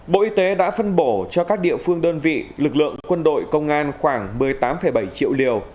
bộ y tế đã phân bổ cho các địa phương đơn vị lực lượng quân đội công an khoảng một mươi tám bảy triệu liều